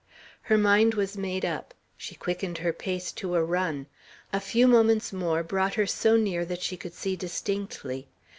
Her mind was made up. She quickened her pace to a run. A few moments more brought her so near that she could see distinctly.